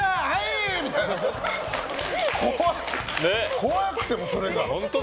怖くて、それが。